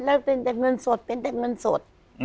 แล้วเป็นแต่เงินสดเป็นแต่เงินสด